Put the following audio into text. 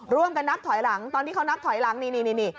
นับถอยหลังตอนที่เขานับถอยหลังนี่